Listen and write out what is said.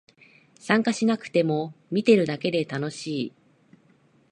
参加しなくても見てるだけで楽しい